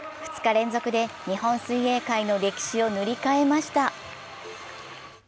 ２日連続で日本水泳界の歴史を塗り替えました。